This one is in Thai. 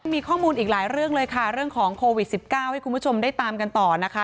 มีข้อมูลอีกหลายเรื่องเลยค่ะเรื่องของโควิด๑๙ให้คุณผู้ชมได้ตามกันต่อนะคะ